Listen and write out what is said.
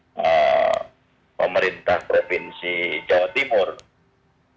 sehingga bahwa ini adalah perjalanan yang diperlukan oleh pemerintah provinsi jawa timur